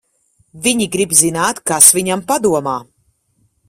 Viņi grib zināt, kas viņam padomā.